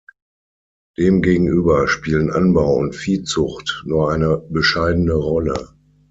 Demgegenüber spielen Anbau und Viehzucht nur eine bescheidene Rolle.